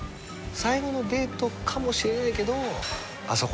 最後のデートかもしれないけど。